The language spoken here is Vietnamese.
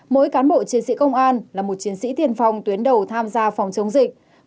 mỗi cán bộ chiến sĩ công an là một chiến sĩ tiên phong tuyến đầu tham gia phòng chống dịch